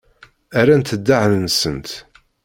Rrant ddehn-nsent.